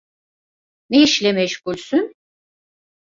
Ne işle meşgulsün?